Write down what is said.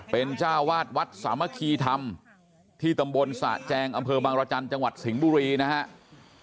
เป็นเจ้าวาดวัดสามัคคีธรรมที่ตำบลสะแจงอำเภอบางรจันทร์จังหวัดสิงห์บุรีนะครับ